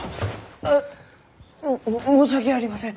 うっ！も申し訳ありません！